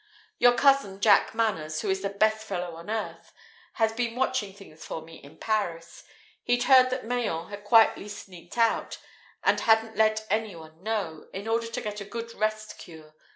Your Cousin Jack Manners, who is the best fellow on earth, has been watching things for me in Paris. He'd heard that Mayen had quietly sneaked back, and hadn't let any one know, in order to get a good rest cure.